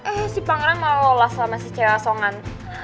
eh si pangeran malah lolos sama si cewek asongan